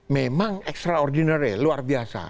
memang extraordinary luar biasa